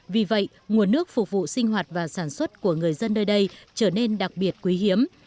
vì vậy nguồn nước phục vụ sinh hoạt và sản xuất của người dân nơi đây trở nên đặc biệt quý hiếm